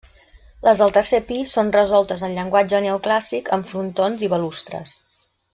Les del tercer pis són resoltes en llenguatge neoclàssic, amb frontons i balustres.